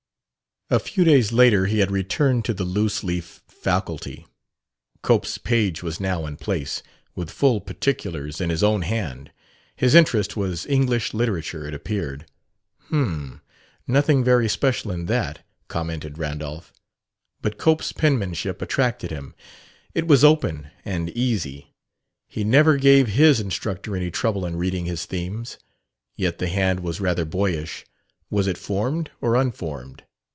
A few days later he had returned to the loose leaf faculty. Cope's page was now in place, with full particulars in his own hand: his interest was "English Literature," it appeared. "H'm! nothing very special in that," commented Randolph. But Cope's penmanship attracted him. It was open and easy: "He never gave his instructor any trouble in reading his themes." Yet the hand was rather boyish. Was it formed or unformed?